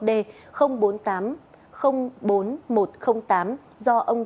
do ông trần dương